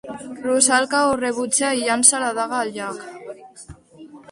Rusalka ho rebutja i llança la daga al llac.